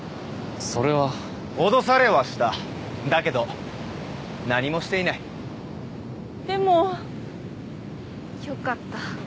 それはおどされはしただけど何もしていないでもよかった